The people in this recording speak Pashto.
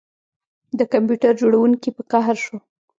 د کمپیوټر جوړونکي په قهر شو